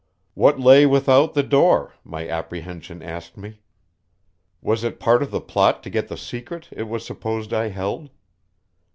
What lay without the door, my apprehension asked me. Was it part of the plot to get the secret it was supposed I held?